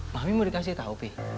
mami mau dikasih tau pi